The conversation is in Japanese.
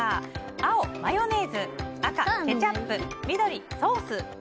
青、マヨネーズ赤、ケチャップ緑、ソース。